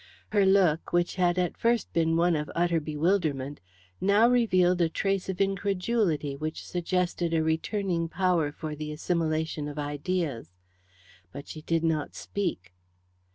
Her look, which at first had been one of utter bewilderment, now revealed a trace of incredulity which suggested a returning power for the assimilation of ideas. But she did not speak.